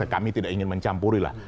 kami tidak ingin mencampurilah